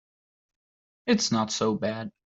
It's not so bad.